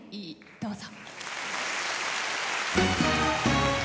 どうぞ。